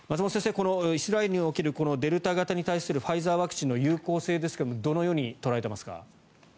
このイスラエルにおけるデルタ型に対するファイザーワクチンの有効性ですがどのように捉えていますか？